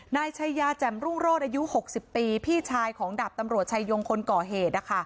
นายชายาแจ่มรุ่งโรศอายุ๖๐ปีพี่ชายของดาบตำรวจชายงคนก่อเหตุ